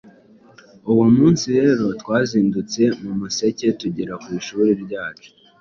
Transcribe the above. Uwo munsi rero twazindutse mu museke tugera ku ishuri ryacu